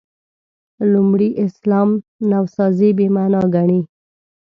لومړي اسلام نوسازي «بې معنا» ګڼي.